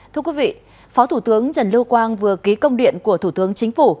thưa quý vị phó thủ tướng trần lưu quang vừa ký công điện của thủ tướng chính phủ